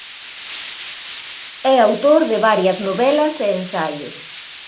É autor de varias novelas e ensaios.